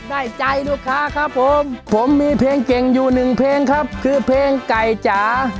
ได้ใจลูกค้าครับผมผมมีเพลงเก่งอยู่หนึ่งเพลงครับคือเพลงไก่จ๋า